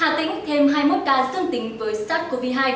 hà tĩnh thêm hai mươi một ca dương tính với sars cov hai